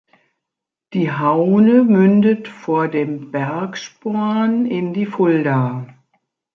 Die Haune mündet vor dem Bergsporn in die Fulda.